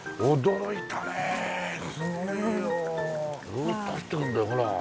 ずっと走っていくんだよほら。